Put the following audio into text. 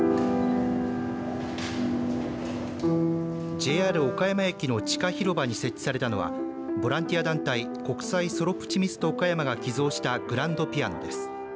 ＪＲ岡山駅の地下広場に設置されたのはボランティア団体国際ソロプチミスト岡山が寄贈したグランドピアノです。